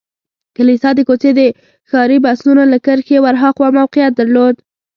کلیسا د کوڅې د ښاري بسونو له کرښې ور هاخوا موقعیت درلود.